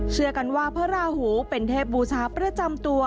เชื่อกันว่าพระราหูเป็นเทพบูชาประจำตัว